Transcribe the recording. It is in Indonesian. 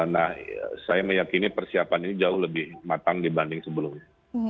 nah saya meyakini persiapan ini jauh lebih matang dibanding sebelumnya